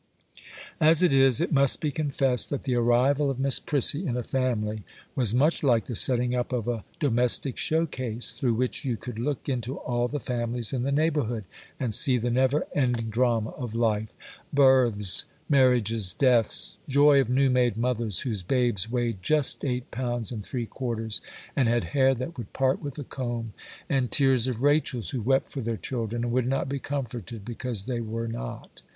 As it is, it must be confessed that the arrival of Miss Prissy in a family was much like the setting up of a domestic showcase, through which you could look into all the families in the neighbourhood, and see the never ending drama of life,—births, marriages, deaths,—joy of new made mothers, whose babes weighed just eight pounds and three quarters, and had hair that would part with a comb,—and tears of Rachels who wept for their children, and would not be comforted because they were not.